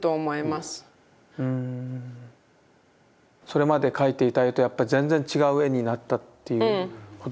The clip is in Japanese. それまで描いていた絵とやっぱ全然違う絵になったといううん。